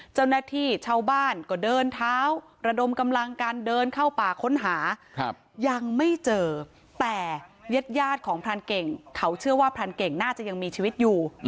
เจ้าหน้าที่ชาวบ้านก็เดินเท้าระดมกำลังการเดินเข้าป่าค้นหายังไม่เจอแต่ญาติของพรานเก่งเขาเชื่อว่าพรานเก่งน่าจะยังมีชีวิตอยู่